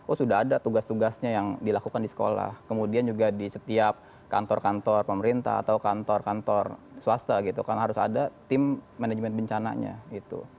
oh sudah ada tugas tugasnya yang dilakukan di sekolah kemudian juga di setiap kantor kantor pemerintah atau kantor kantor swasta gitu kan harus ada tim manajemen bencananya gitu